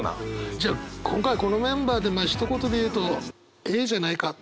じゃあ今回このメンバーでまあひと言で言うと「ええじゃないか」でいいか。